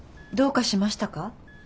どうかしましたか？